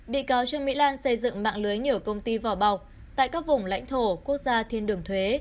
bị cáo trương mỹ lan xây dựng mạng lưới nhiều công ty vỏ bọc tại các vùng lãnh thổ quốc gia thiên đường thuế